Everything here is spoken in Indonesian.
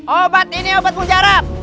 obat ini obat mujarab